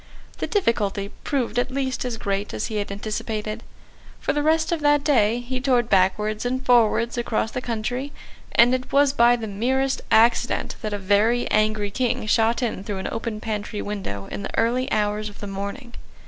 The difficulty proved at least as great as he had anticipated. For the rest of that day he toured backwards and forwards across the country; and it was by the merest accident that a very angry King shot in through an open pantry window in the early hours of the morning.